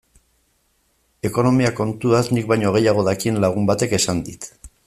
Ekonomia kontuaz nik baino gehiago dakien lagun batek esan dit.